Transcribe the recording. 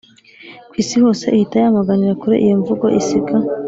ku isi hose ihita yamaganira kure iyo mvugo isiga